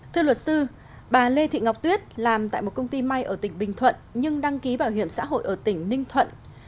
thưa luật sư bà lê thị ngọc tuyết làm tại một công ty may ở tỉnh bình thuận nhưng đăng ký bảo hiểm xã hội ở tỉnh ninh thuận